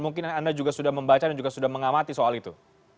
mungkin anda juga sudah membaca dan juga sudah mengamati soal itu